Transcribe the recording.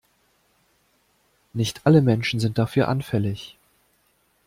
Nicht alle Menschen sind dafür anfällig.